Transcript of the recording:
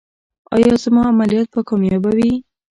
ایا زما عملیات به کامیابه وي؟